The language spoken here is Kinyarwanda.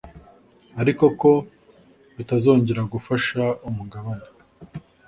ariko ko bitazongera gufasha umugabane